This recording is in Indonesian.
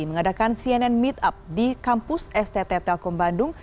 mengadakan cnn meetup di kampus stt telkom bandung